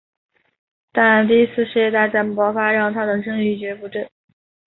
但第一次世界大战爆发让他的生意一蹶不振。